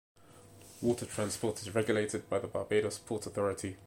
Water transport is regulated by the Barbados Port Authority.